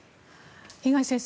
東先生